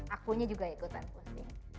akunya juga ikutan rungsing